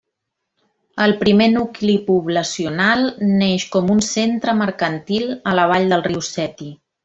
El primer nucli poblacional neix com un centre mercantil a la vall del riu Seti.